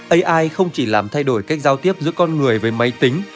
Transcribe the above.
ai không chỉ làm thay đổi cách giao tiếp giữa con người với máy tính